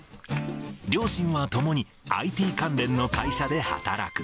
両親はともに、ＩＴ関連の会社で働く。